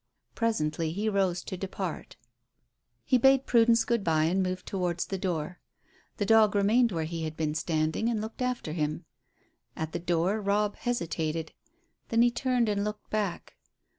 Presently he rose to depart. He bade Prudence good bye and moved towards the door. The dog remained where he had been standing and looked after him. At the door Robb hesitated, then he turned and looked back.